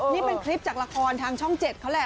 นี่เป็นคลิปจากละครทางช่อง๗เขาแหละ